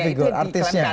oh figur artisnya